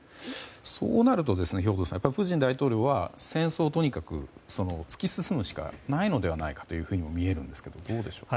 そうなると、兵頭さんプーチン大統領は戦争をとにかく突き進むしかないのではないかというふうにみえるのですがどうでしょう。